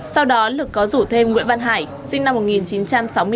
sau đó lực có rủ thêm nguyễn văn hải sinh năm một nghìn chín trăm sáu mươi bốn